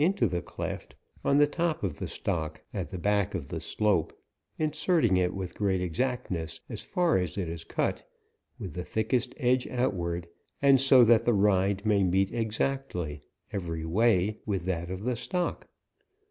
ijj to the cleft, on the top of the stock, at the back of the slope, inserting it with great ex actness, as far as it is cut, with the thickest edge outward, and so that the rind may meet exactly, every way, with that of the stock.